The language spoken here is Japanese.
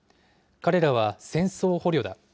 彼らは戦争捕虜だ。